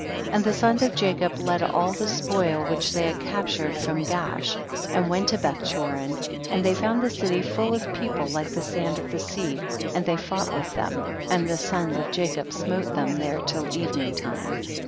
14. And the sons of Jacob led all the spoil which they had captured from Gaash and went to Bethchorin, and they found the city full of peo ple like the sand of the sea, and they fought with them, and the sons of Jacob smote them there till evening time.